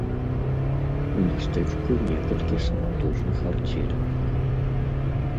У мястэчку некалькі саматужных арцеляў.